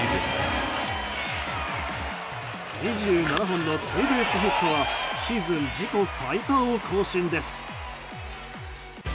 ２７本のツーベースヒットはシーズン自己最多を更新です。